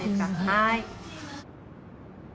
はい。